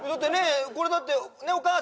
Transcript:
これだってねっお義母さん